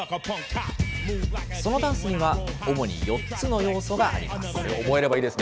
そのダンスには主に４つの要素があります。